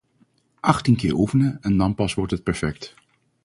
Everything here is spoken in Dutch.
Achttien keer oefenen en dan pas wordt het perfect.